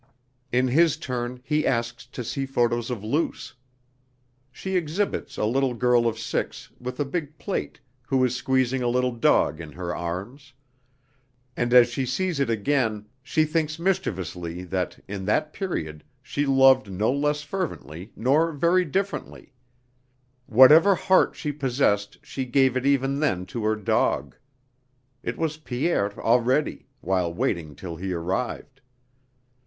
In his turn he asks to see photos of Luce. She exhibits a little girl of six with a big plait who is squeezing a little dog in her arms; and as she sees it again she thinks mischievously that in that period she loved no less fervently nor very differently; whatever heart she possessed she gave it even then to her dog; it was Pierre already, while waiting till he arrived.